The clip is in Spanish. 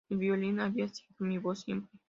El violín había sido mi voz siempre.